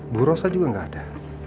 bu rosa juga nggak ada